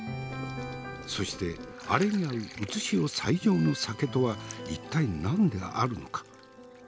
そしてアレに合う現世最上の酒とは一体何であるのか。